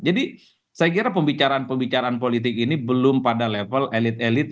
jadi saya kira pembicaraan pembicaraan politik ini belum pada level elit elit